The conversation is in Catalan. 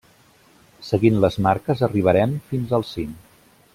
Seguint les marques arribarem fins al cim.